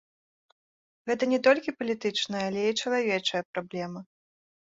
Гэта не толькі палітычная, але і чалавечая праблема.